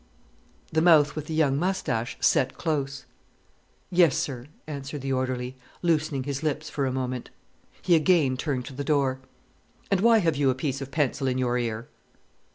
The mouth with the young moustache set close. "Yes, sir," answered the orderly, loosening his lips for a moment. He again turned to the door. "And why have you a piece of pencil in your ear?"